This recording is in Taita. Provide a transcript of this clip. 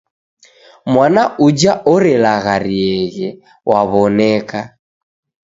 Mwana uja orelagharieghe waw'oneka.